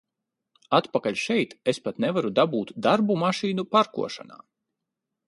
Atpakaļ šeit, es pat nevaru dabūt darbu mašīnu parkošanā!